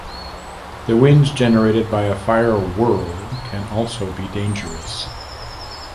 The winds generated by a fire whirl can also be dangerous.